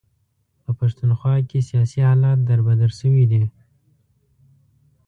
په پښتونخوا کې سیاسي حالات در بدر شوي دي.